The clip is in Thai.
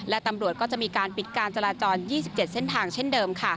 และตำรวจก็จะมีการปิดการจราจร๒๗เส้นทางเช่นเดิม